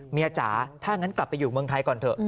จ๋าถ้างั้นกลับไปอยู่เมืองไทยก่อนเถอะ